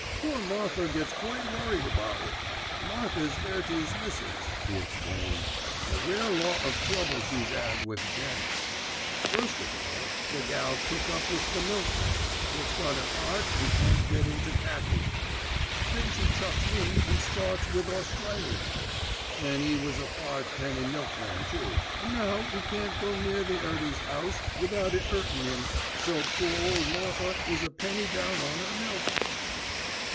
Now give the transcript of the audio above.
Poor Martha gets quite worried about it. Martha's 'Earty's missis," he explained, "A rare lot o' trouble she's 'ad with Jenny. First of all the gal took up wi' the milkman, wots got an 'eart and can't get into khaki. Then she chucks 'im an' starts with Australians; an' 'e was a fivepenny milkman too, an' now 'e can't go near the 'Earty's 'ouse without it 'urtin' 'im, so poor ole Martha is a penny down on 'er milk."